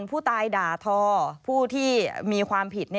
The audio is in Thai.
ผู้ตายด่าทอผู้ที่มีความผิด